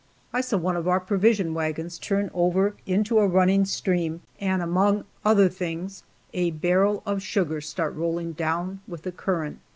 I saw one of our provision wagons turn over into a running stream, and, among other things, a barrel of sugar start rolling down with the current.